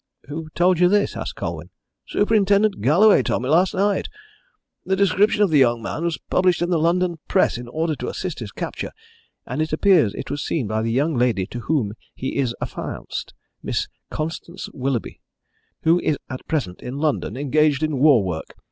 "Who told you this?" asked Colwyn. "Superintendent Galloway told me last night. The description of the young man was published in the London press in order to assist his capture, and it appears it was seen by the young lady to whom he is affianced, Miss Constance Willoughby, who is at present in London, engaged in war work.